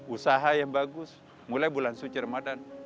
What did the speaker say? usaha yang bagus mulai bulan suci ramadan